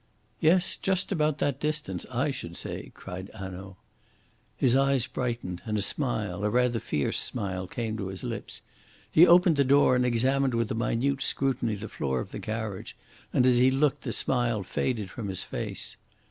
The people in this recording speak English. "Yes, just about that distance, I should say," cried Hanaud. His eyes brightened, and a smile, a rather fierce smile, came to his lips. He opened the door, and examined with a minute scrutiny the floor of the carriage, and as he looked, the smile faded from his face.